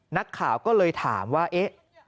นักข่าวก็เลยถามว่าเอ๊ะ